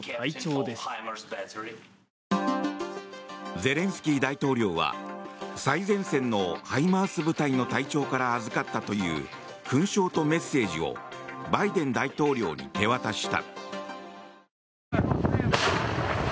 ゼレンスキー大統領は最前線のＨＩＭＡＲＳ部隊の隊長から預かったという勲章とメッセージをバイデン大統領に手渡した。